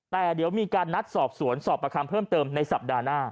แต่เดี๋ยวมีการนัดสอบสวนสอบประคำเพิ่มเติมในสัปดาห์หน้า